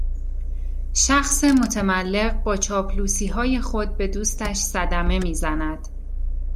شخص متملق با چاپلوسیهای خود به دوستش صدمه میزند